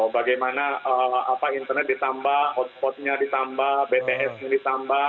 bagaimana internet ditambah hotspotnya ditambah btsnya ditambah